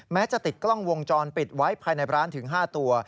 จะติดกล้องวงจรปิดไว้ภายในร้านถึง๕ตัว